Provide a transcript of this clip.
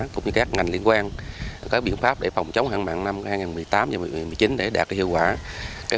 cũng như các ngành liên quan có biện pháp để phòng chống hạn mặn năm hai nghìn một mươi tám hai nghìn một mươi chín để đạt hiệu quả